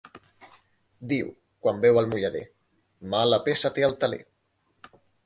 Diu, quan veu el mullader: "mala peça té el teler".